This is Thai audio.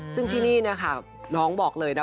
ซึ่งที่นี่นะคะน้องบอกเลยนะ